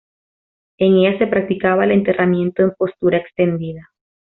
En ella se practicaba el enterramiento en postura extendida.